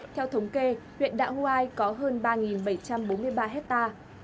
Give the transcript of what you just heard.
theo thống kê huyện đạ hoai có hơn ba bảy trăm bốn mươi ba hectare